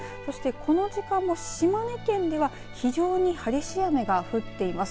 この時間も島根県では非常に激しい雨が降っています。